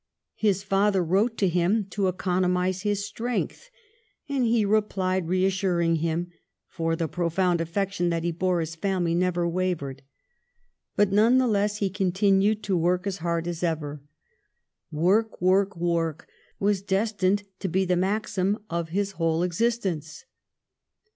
His father wrote to him to economise his strength, and he replied, reassuring him, for the profound affection that he bore his family never wavered; but none the less he continued 20 PASTEUR to work as hard as ever. Work, work, work was destined to be the maxim of his whole ex istence.